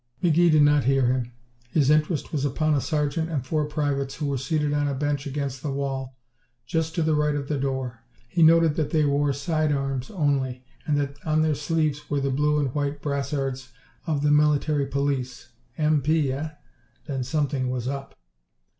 McGee did not hear him. His interest was upon a sergeant and four privates who were seated on a bench against the wall just to the right of the door. He noted that they wore side arms only, and that on their sleeves were the blue and white brassards of the Military Police. M.P., eh? Then something was up!